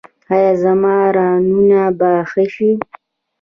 ایا زما رانونه به ښه شي؟